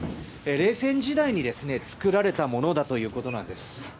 冷戦時代に作られたものだということなんです。